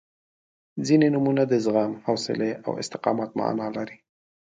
• ځینې نومونه د زغم، حوصلې او استقامت معنا لري.